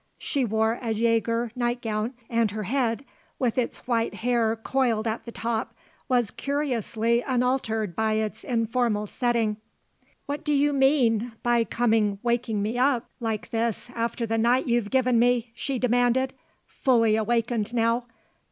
She wore a Jaeger nightgown and her head, with its white hair coiled at the top, was curiously unaltered by its informal setting. "What do you mean by coming waking me up like this after the night you've given me," she demanded, fully awakened now.